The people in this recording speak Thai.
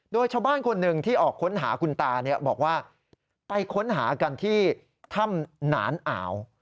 โดยชาวบ้านคนหนึ่งที่ออกค้นหาคุณตาบอกว่าไปค้นหากันที่ถ้ำหนานอ่าว